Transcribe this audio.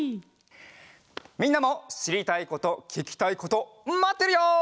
みんなもしりたいことききたいことまってるよ！